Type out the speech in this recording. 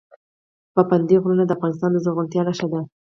پابندی غرونه د افغانستان د زرغونتیا نښه ده.